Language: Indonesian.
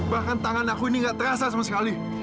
bahkan tangan aku ini gak terasa sama sekali